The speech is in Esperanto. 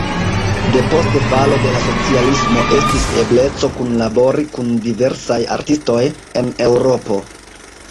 Depost falo de la socialismo estis ebleco kunlabori kun diversaj artistoj en Eŭropo.